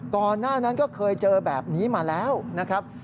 ก่อนหน้านั้นก็เคยเจอแบบนี้มาแล้วนะครับ